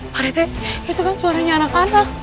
pak rete itu kan suaranya anak anak